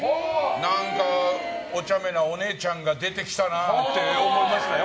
何か、おちゃめなお姉ちゃんが出てきたなって思いましたよ。